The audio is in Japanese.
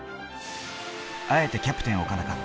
あえてキャプテンを置かなかった